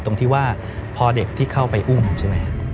ตรงที่ว่าพอเด็กที่เข้าไปอุ่ม